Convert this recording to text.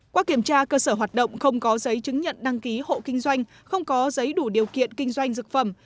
qua kiểm tra cơ sở hoạt động không có giấy chứng nhận đăng ký hộ kinh doanh không có giấy đủ điều kiện kinh doanh dược phẩm